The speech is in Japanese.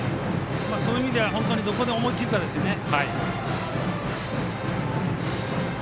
そういう意味ではどこで思い切るかですね。